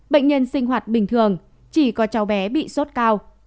bệnh nhân sinh hoạt bình thường chỉ có cháu bé bị sốt cao